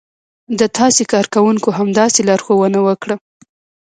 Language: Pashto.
د تاسې کارکونکو همداسې لارښوونه وکړه.